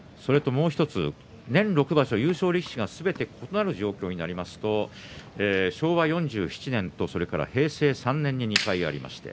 もう１つ、年６場所優勝力士がすべて異なる状況になりますと昭和４７年と平成３年に２回ありました。